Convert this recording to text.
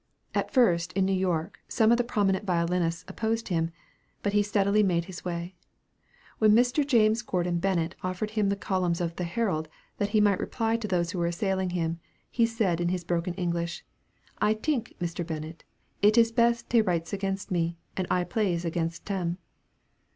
At first, in New York, some of the prominent violinists opposed him; but he steadily made his way. When Mr. James Gordon Bennett offered him the columns of the "Herald," that he might reply to those who were assailing him, he said in his broken English, "I tink, Mr. Bennett, it is best tey writes against me, and I plays against tem."